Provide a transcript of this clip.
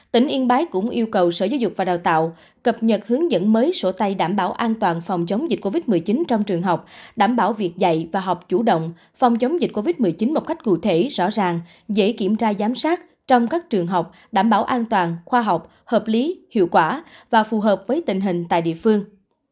tỉnh yên bái cũng yêu cầu sở giáo dục và đào tạo cập nhật hướng dẫn mới sổ tay đảm bảo an toàn phòng chống dịch covid một mươi chín trong trường học đảm bảo việc dạy và học chủ động phòng chống dịch covid một mươi chín một cách cụ thể rõ ràng dễ kiểm tra giám sát trong các trường học đảm bảo an toàn khoa học hợp lý hiệu quả và phù hợp với tình hình tại địa phương